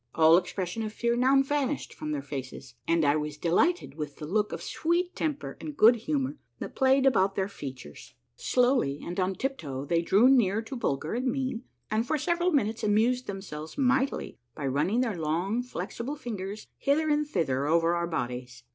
All expression of fear now vanished from their faces, and I was delighted with the look of SAveet temper and good humor that played about their features, uoav Avreatlied in smiles. Slowly and on tip toe they dreAV near to Bulger and me and for several minutes amused themselA'es mightily by running their long, flexible fingers hither and thither over our bodies.